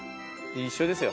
一緒ですよ。